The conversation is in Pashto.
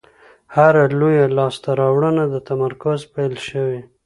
هره لویه لاستهراوړنه له تمرکز پیل شوې.